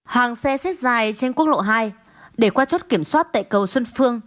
hàng xe xếp dài trên quốc lộ hai để qua chốt kiểm soát tại cầu xuân phương